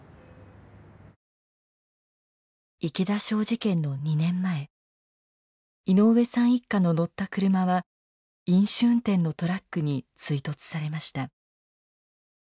池田小事件の２年前井上さん一家の乗った車は飲酒運転のトラックに追突されました。